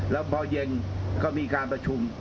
แล้วพอเย็นก็มีการประชุม